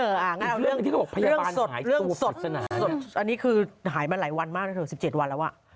แล้วก็เรื่องสดอันนี้คือหายมาหลายวันหายมา๑๗วันแล้ว